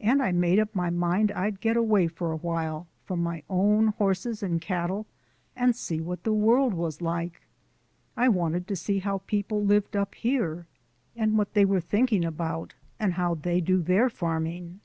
And I made up my mind I'd get away for a while from my own horses and cattle and see what the world was like. I wanted to see how people lived up here, and what they are thinking about, and how they do their farming."